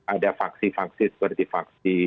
ada faksi faksi seperti vaksi